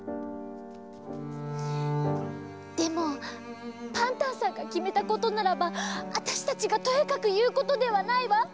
でもパンタンさんがきめたことならばあたしたちがとやかくいうことではないわ。